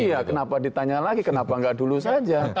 iya kenapa ditanya lagi kenapa nggak dulu saja